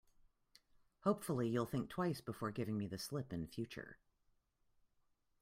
Hopefully, you'll think twice before giving me the slip in future.